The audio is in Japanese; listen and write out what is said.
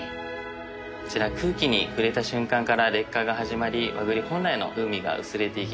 こちら空気に触れた瞬間から劣化が始まり和栗本来の風味が薄れていきます。